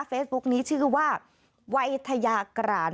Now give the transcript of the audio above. เฟซบุ๊คนี้ชื่อว่าวัยทยากราศ